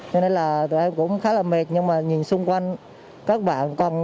nên là tụi em cũng khá là mệt nhưng mà nhìn xung quanh các bạn